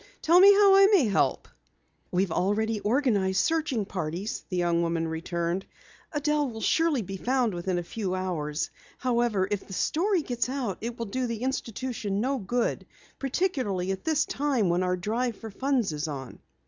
Tell me how I may help." "We've already organized searching parties," the young woman returned. "Adelle surely will be found within a few hours. However, if the story gets out it will do the institution no good particularly at this time when our drive for funds is on."